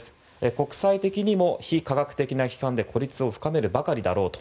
国際的にも非科学的な批判で孤立を深めるばかりだろうと。